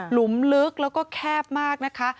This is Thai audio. หุมลึกแล้วก็แคบมากนะคะ